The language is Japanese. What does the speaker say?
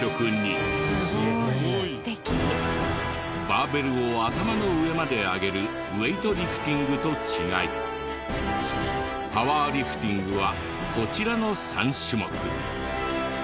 バーベルを頭の上まで上げるウエイトリフティングと違いパワーリフティングはこちらの３種目。